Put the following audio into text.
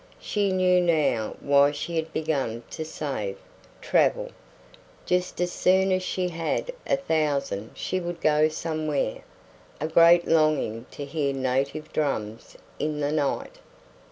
She knew now why she had begun to save travel. Just as soon as she had a thousand she would go somewhere. A great longing to hear native drums in the night.